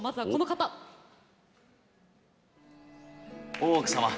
大奥様